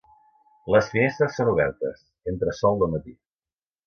Les finestres són obertes, entra sol de matí.